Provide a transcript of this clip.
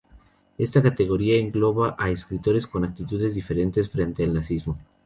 Esta categoría engloba a escritores con actitudes diferentes frente al nazismo.